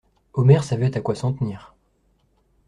Omer savait à quoi s'en tenir.